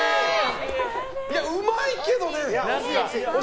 うまいけどね。